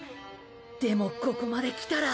でもここまで来たら。